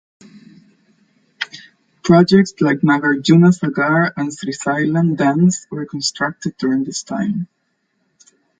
Projects like Nagarjuna Sagar and Srisailam Dams were constructed during this time.